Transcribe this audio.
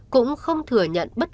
cũng không thừa nhận bất kỳ thương tích